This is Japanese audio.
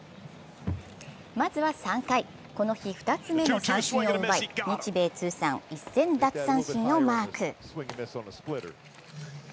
まずは３回、この日２つ目の三振を奪い日米通算１０００奪三振をマーク。